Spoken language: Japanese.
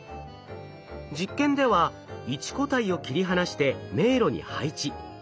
実験では一個体を切り離して迷路に配置。